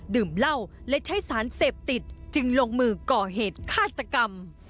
ดื่มเหล้าและใช้สารเสพติดจึงลงมือก่อเหตุฆาตกรรม